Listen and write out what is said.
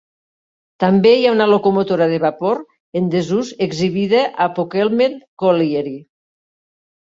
També hi ha una locomotora de vapor en desús exhibida a Polkemmet Colliery.